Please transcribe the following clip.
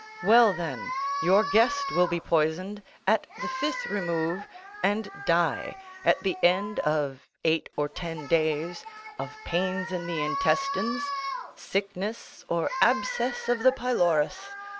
Well, then, your guest will be poisoned at the fifth remove, and die, at the end of eight or ten days, of pains in the intestines, sickness, or abscess of the pylorus.